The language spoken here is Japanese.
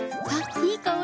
いい香り。